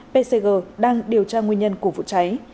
pcg đang điều tra nguyên nhân của vụ cháy